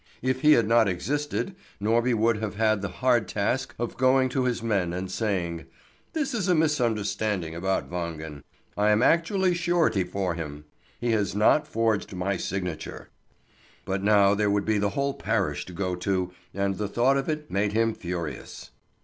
If he had not existed, Norby would have had the hard task of going to his men and saying: "This is a misunderstanding about Wangen. I am actually surety for him; he has not forged my signature." But now there would be the whole parish to go to, and the thought of it made him furious.